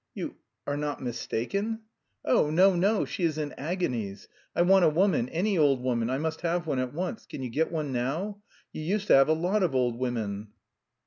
"You... are not mistaken?" "Oh, no, no, she is in agonies! I want a woman, any old woman, I must have one at once.... Can you get one now? You used to have a lot of old women...."